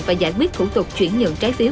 và giải quyết thủ tục chuyển nhượng trái phiếu